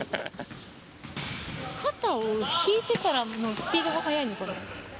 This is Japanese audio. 肩を引いてからのスピードが速いのかな。